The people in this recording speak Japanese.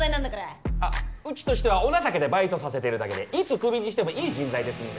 あっうちとしてはお情けでバイトさせてるだけでいつクビにしてもいい人材ですので。